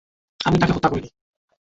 আমি তাকে হত্যা করিনি।